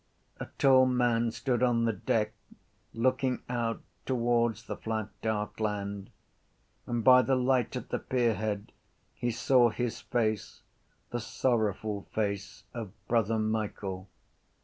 A tall man stood on the deck, looking out towards the flat dark land: and by the light at the pierhead he saw his face, the sorrowful face of Brother Michael.